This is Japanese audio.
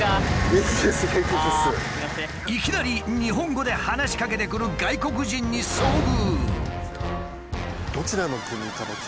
いきなり日本語で話しかけてくる外国人に遭遇。